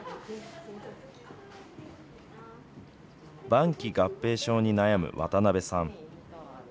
晩期合併症に悩む渡邉さん。